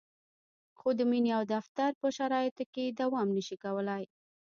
خو د مینې او د دفتر په شرایطو کې دوام نشي کولای.